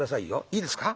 いいですか？